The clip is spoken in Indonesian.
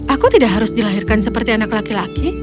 aku tidak harus dilahirkan seperti anak laki laki